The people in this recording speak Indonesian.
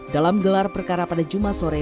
dalam gelar perkara pada jumat sore